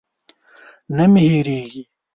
نه مې هېرېږي.